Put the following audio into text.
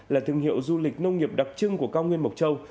là thương hiệu du lịch nông nghiệp đặc trưng của cao nguyên mộc châu